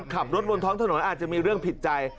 ขับรถบนท้องถนนอาจจะมีเรื่องผิดใจ